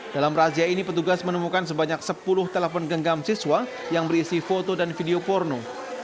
dalam razia ini petugas menemukan sebanyak sepuluh telepon genggam siswa yang berisi foto dan video porno